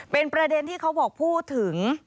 เป็นประเด็นที่เขาบอกพูดถึง